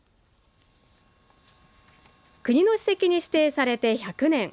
国の史跡に指定されて１００年。